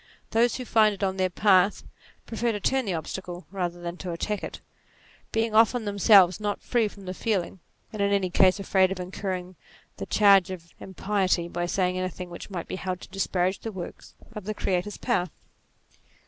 Those who find it on their path, prefer to turn the obstacle rather than to attack it, being often themselves not free from the feeling, and in any case afraid of incurring the charge of impiety by saying anything which might be held to disparage the works of the Creator's power.